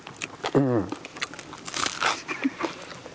うん。